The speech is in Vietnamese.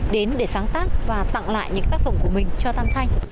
đến để sáng tác và tặng lại những tác phẩm của mình cho tam thanh